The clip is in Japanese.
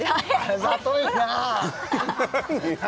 あざといなあ何？